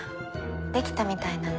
できたみたいなの。